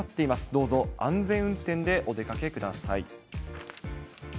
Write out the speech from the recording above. どうぞ安全運転でお出かけください。